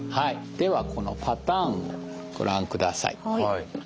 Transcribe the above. ではこのパターンをご覧ください。